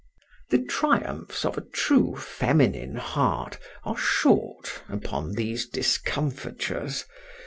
The triumphs of a true feminine heart are short upon these discomfitures.